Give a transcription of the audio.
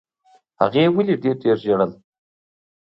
هغې ولي ډېر ډېر ژړل؟